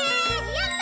やった！